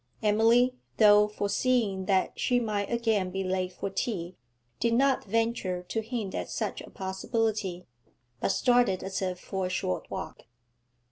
Emily, though foreseeing that she might again be late for tea, did not venture to hint at such a possibility, but started as if for a short walk.